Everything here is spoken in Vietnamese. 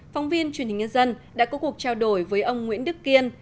phóng viên truyền hình nhân dân đã có cuộc trao đổi với ông nguyễn đức kiên